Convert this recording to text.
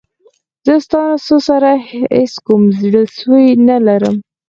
زه ستاسو سره هېڅ کوم زړه سوی نه لرم.